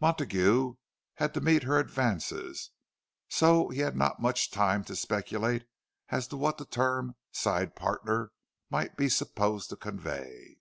Montague had to meet her advances; so had not much time to speculate as to what the term "side partner" might be supposed to convey.